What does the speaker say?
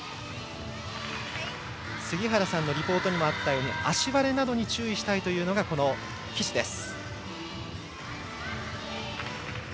杉原さんのリポートにもあったように足割れなどに注意したいというのが岸です。